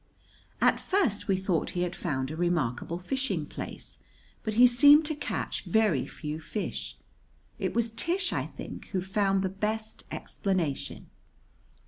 At first we thought he had found a remarkable fishing place; but he seemed to catch very few fish. It was Tish, I think, who found the best explanation.